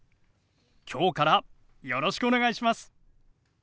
今日からよろしくお願いします。